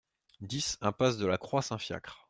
dix impasse de la Croix Saint-Fiacre